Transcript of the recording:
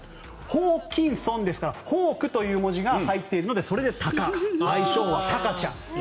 ホーキンソンですからホークという文字が入っているので愛称はタカちゃん。